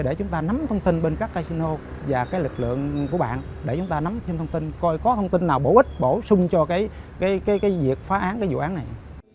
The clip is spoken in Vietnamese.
để chúng ta nắm thông tin bên các casino và cái lực lượng của bạn để chúng ta nắm thêm thông tin coi có thông tin nào bổ ích bổ sung cho việc phá án cái vụ án này